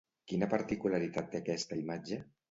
Quina particularitat té aquesta imatge?